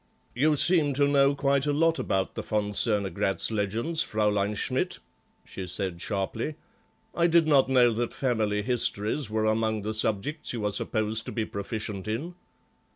"You seem to know quite a lot about the von Cernogratz legends, Fraulein Schmidt," she said sharply; "I did not know that family histories were among the subjects you are supposed to be proficient in."